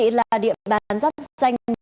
đây là điểm bán giáp danh của hà nội